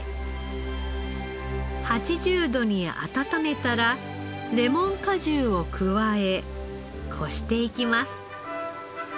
８０度に温めたらレモン果汁を加えこしていきます。